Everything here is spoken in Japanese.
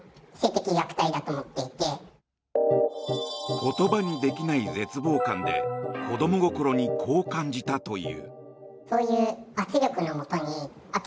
言葉にできない絶望感で子ども心にこう感じたという。